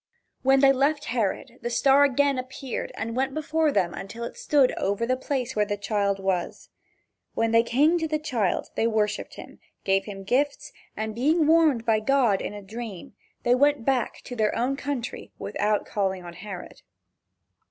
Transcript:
When they left Herod, the star again appeared and went before them until it stood over the place where the child was. When they came to the child they worshiped him, gave him gifts, and being warned by God in a dream, they went back to their own country without calling on Herod.